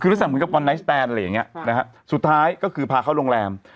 คือรักษาเหมือนกับอะไรอย่างเงี้ยนะฮะสุดท้ายก็คือพาเขาโรงแรม